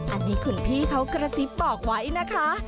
อันนี้คุณพี่เขากระซิบบอกไว้นะคะ